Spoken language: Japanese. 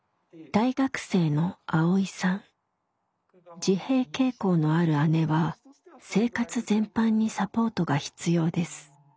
自閉傾向のある姉は生活全般にサポートが必要です。